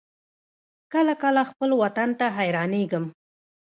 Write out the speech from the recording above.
کله کله خپل وطن ته حيرانېږم.